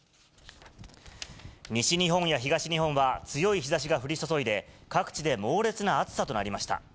西日本や東日本は、強い日ざしが降り注いで、各地で猛烈な暑さとなりました。